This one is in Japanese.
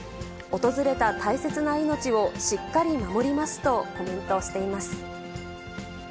訪れた大切な命をしっかり守りますとコメントしています。